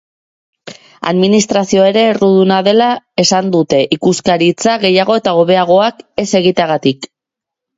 Administrazioa ere erruduna dela esan dute, ikuskaritza gehiago eta hobeagoak ez egiteagatik.